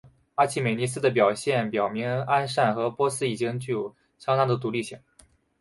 阿契美尼斯的表现表明安善和波斯已经具有相当的独立性。